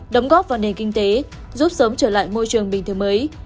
đóng góp vào nền kinh tế giúp sớm trở lại môi trường bình thường mới